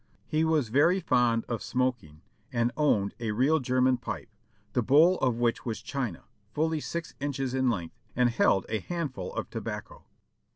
He was very fond of smoking, and owned a real German pipe, the bowl of which was china, fully six inches in length, and held a handful of tobacco.